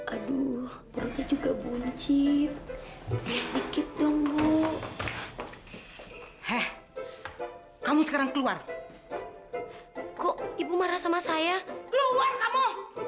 aduh perutnya juga buncit dikit tunggu heh kamu sekarang keluar kok ibu marah sama saya keluar kamu